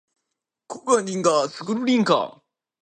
甲型流感